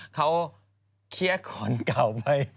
เขาเขียนก่อนกล่าวไป